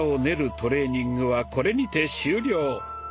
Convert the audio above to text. トレーニングはこれにて終了！